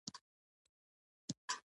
آیا بازارونه یې تل ګرم نه وي؟